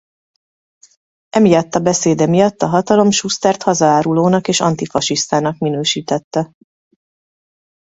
Emiatt a beszéde miatt a hatalom Schustert hazaárulónak és antifasisztának minősítette.